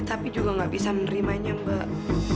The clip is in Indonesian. tapi juga nggak bisa menerimanya mbak